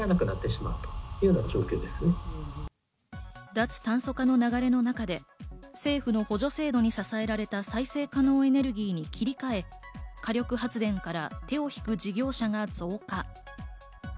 脱炭素化の流れの中で、政府の補助制度に支えられた再生可能エネルギーに切り替え、火力発電から手を引く事業者が増加。